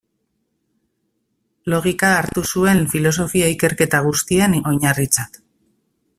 Logika hartu zuen filosofia-ikerketa guztien oinarritzat.